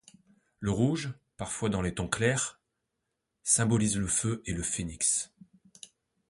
Le rouge, parfois dans les tons clairs, symbolise le feu et le phénix.